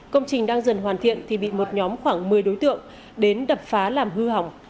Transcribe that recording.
công trình đang dần hoàn thiện thì bị một nhóm khoảng một mươi đối tượng đến đập phá làm hư hỏng